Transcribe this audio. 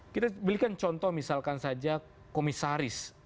kita berikan contoh misalkan saja komisaris